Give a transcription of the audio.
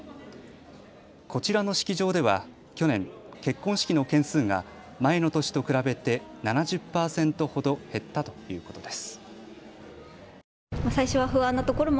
こちらの式場では去年、結婚式の件数が前の年と比べて７０％ほど減ったということです。